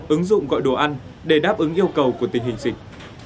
ứng dụng gọi đồ ăn để đáp ứng yêu cầu của tình hình dịch